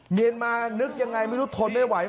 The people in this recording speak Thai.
เมียนมานึกยังไงไม่รู้ทนไม่ไหว